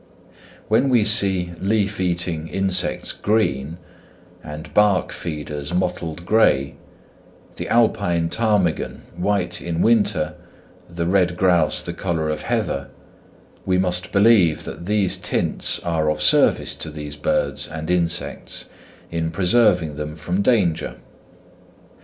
When we see leaf eating insects green, and bark feeders mottled grey; the alpine ptarmigan white in winter, the red grouse the colour of heather, we must believe that these tints are of service to these birds and insects in preserving them from danger.